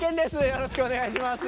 よろしくお願いします。